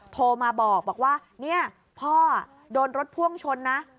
โทรมาบอกว่าเนี่ยพ่อโดนรถพ่วงชนนะ